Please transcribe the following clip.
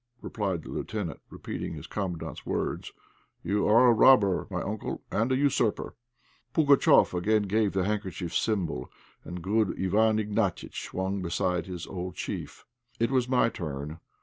replied the lieutenant, repeating his Commandant's words; "you are a robber, my uncle, and a usurper." Pugatchéf again gave the handkerchief signal, and good Iwán Ignatiitch swung beside his old chief. It was my turn.